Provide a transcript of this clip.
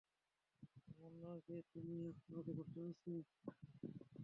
এমন না যে, তুমি এখন অবগত আছো।